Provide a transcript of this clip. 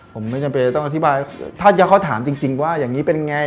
ผมไม่จำเป็นจะต้องอธิบายถ้าเขาถามจริงว่าอย่างนี้เป็นไง